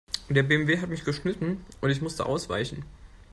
Der BMW hat mich geschnitten und ich musste ausweichen.